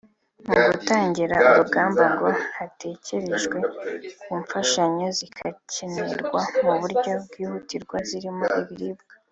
Mu gutangira urugamba ngo hatekerejwe ku mfashanyo zizakenerwa mu buryo bwihutirwa zirimo ibiribwa